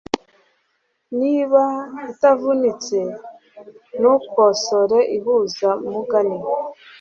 niba itavunitse, ntukosore ihuza numugani